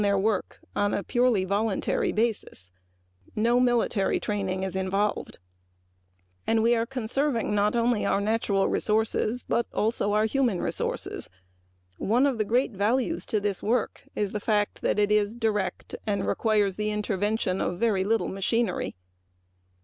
This great group of men has entered upon its work on a purely voluntary basis; no military training is involved and we are conserving not only our natural resources, but our human resources. One of the great values to this work is the fact that it is direct and requires the intervention of very little machinery.